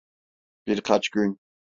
Bir kaç gün.